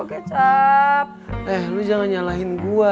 nelu jangan nyalahin gue